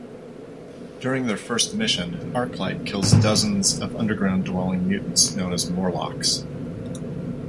During their first mission, Arclight kills dozens of underground-dwelling mutants known as Morlocks.